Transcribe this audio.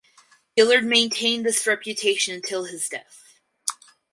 Gillard maintained this reputation until his death.